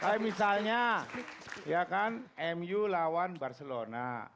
kayak misalnya ya kan mu lawan barcelona